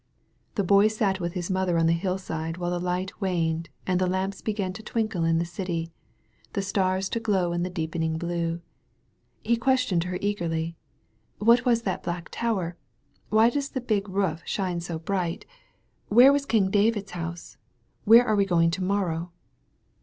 The Boy sat with his mother on the hillside while the light waned, and the lamps began to twinkle in the city, the stars to glow in the deepening blue. He questioned her eagerly — ^what is that black tower? — ^why does the big roof shine so bright? — 269 THE VALLEY OF VISION where was King David's house? — ^where are we going to morrow?